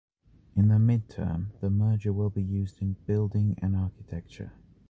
In the mid-term, the merger will be used in building and architecture.